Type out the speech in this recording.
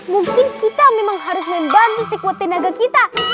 mungkin kita memang harus membantu sekuat tenaga kita